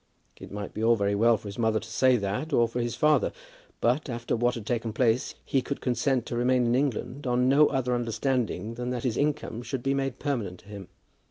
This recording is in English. It might be all very well for his mother to say that, or for his father; but, after what had taken place, he could consent to remain in England on no other understanding than that his income should be made permanent to him.